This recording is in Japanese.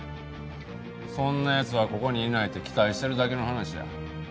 そんな奴はここにいないって期待してるだけの話や。